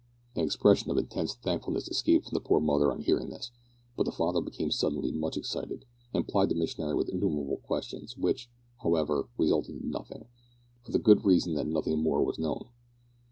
An expression of intense thankfulness escaped from the poor mother on hearing this, but the father became suddenly much excited, and plied the missionary with innumerable questions, which, however, resulted in nothing, for the good reason that nothing more was known.